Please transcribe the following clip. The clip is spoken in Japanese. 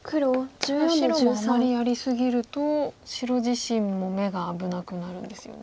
ただ白もあまりやり過ぎると白自身も眼が危なくなるんですよね。